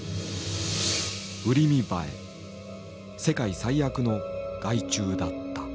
世界最悪の害虫だった。